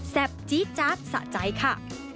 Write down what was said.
แซ่บจี้จ๊าดสะใจค่ะ